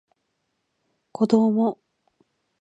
こども